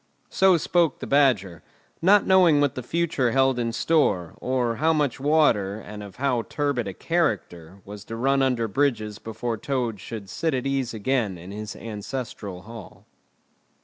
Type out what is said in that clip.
So spoke the Badger, not knowing what the future held in store, or how much water, and of how turbid a character, was to run under bridges before Toad should sit at ease again in his ancestral Hall.